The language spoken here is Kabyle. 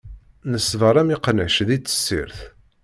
Neṣbeṛ am iqnac di tessirt.